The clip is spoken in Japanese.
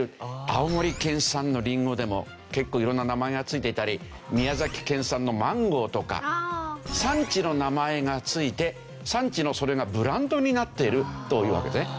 青森県産のりんごでも結構色んな名前がついていたり宮崎県産のマンゴーとか産地の名前がついて産地のそれがブランドになっているというわけですね。